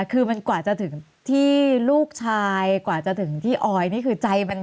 คือมันกว่าจะถึงที่ลูกชายกว่าจะถึงที่ออยนี่คือใจมัน